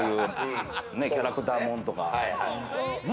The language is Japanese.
キャラクターもんとか。